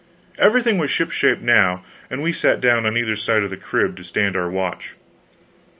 Everything was ship shape now, and we sat down on either side of the crib to stand our watch.